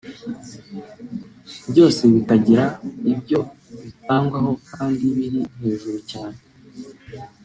byose bikagira ibyo bitangwaho kandi biri hejuru cyane